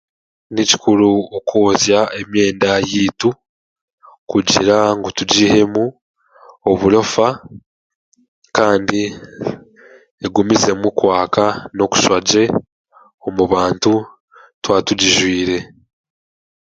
Ni kikuru okwozya emyenda yaitu kugira ngu tugiihemu oburofa kandi egumizemu kwaka n'okushusha gye omu bantu twatugizwire